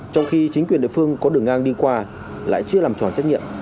trong khi chính quyền địa phương có đường ngang đi qua lại chưa làm tròn trách nhiệm